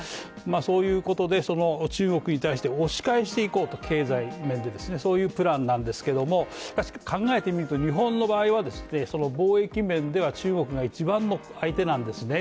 そういうことで中国に対して経済面で押し返していこうと、そういうプランなんですけど、考えてみると、日本の場合は貿易面では中国が一番の相手なんですね。